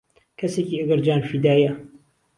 کهسێکی ئهگەر جانفیدایه